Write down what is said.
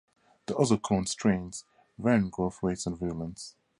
The other cloned strains vary in growth rates and virulence.